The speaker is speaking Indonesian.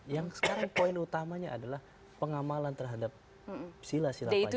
yang sekarang poin utamanya adalah pengamalan terhadap sila sila pancasila